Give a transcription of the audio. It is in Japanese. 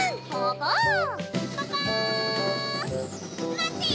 まってよ